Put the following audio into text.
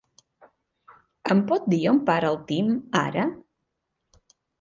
Em pot dir on para el Tim, ara?